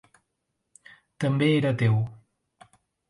També era ateu.